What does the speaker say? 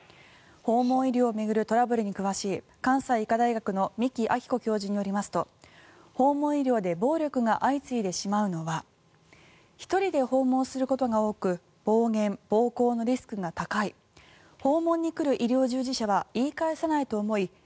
訪問医療を巡るトラブルに詳しい関西医科大学の三木明子教授によりますと訪問医療で暴力が相次いでしまうのは１人で訪問することが多く暴言・暴行のリスクが高い訪問に来る医療従事者は言い返さないと思い